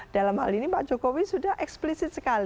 dalam hal ini pak jokowi sudah eksplisit sekali